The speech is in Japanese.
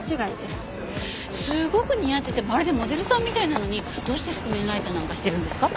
すごく似合っててまるでモデルさんみたいなのにどうして覆面ライターなんかしてるんですか？